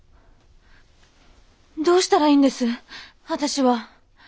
どうしたらいいんです私は？